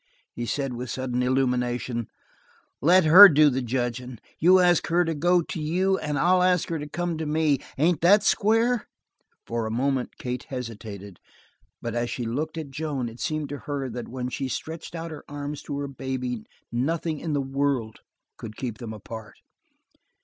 He said with sudden illumination: "Let her do the judgin'! You ask her to go to you, and I'll ask her to come to me. Ain't that square?" For a moment Kate hesitated, but as she looked at Joan it seemed to her that when she stretched out her arms to her baby nothing in the world could keep them apart.